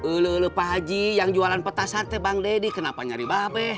ulu ulu pak haji yang jualan petasan bang dedy kenapa nyari bape